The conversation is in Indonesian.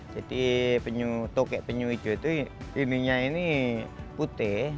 jadi tokek penyu hijau itu ini putih